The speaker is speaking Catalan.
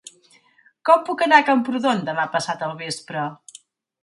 Com puc anar a Camprodon demà passat al vespre?